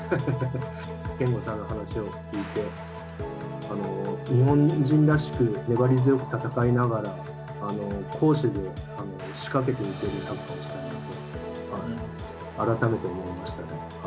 憲剛さんの話を聞いて日本人らしく粘り強く戦いながら攻守で仕掛けていけるサッカーをしたいなと改めて思いましたね。